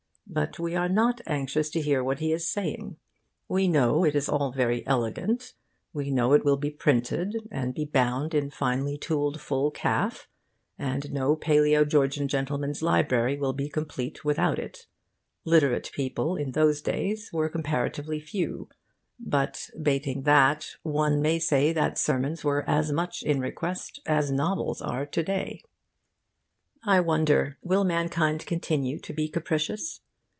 But we are not anxious to hear what he is saying. We know it is all very elegant. We know it will be printed and be bound in finely tooled full calf, and no palaeo Georgian gentleman's library will be complete without it. Literate people in those days were comparatively few; but, bating that, one may say that sermons were as much in request as novels are to day. I wonder, will mankind continue to be capricious?